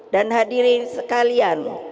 dan hadirin sekalian